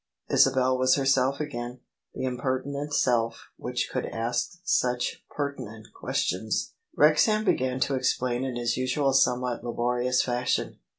" Isabel was herself again — ^that impertinent self which could ask such pertinent questions. Wrexham began to explain in his usual somewhat labo rious fashion.